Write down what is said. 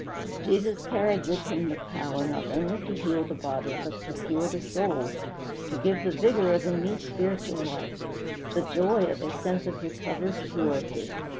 Jesus carried with him the power not only to heal the body but to cure the soul, to give the vigor of a new spiritual life, the joy of a sense of recovered purity.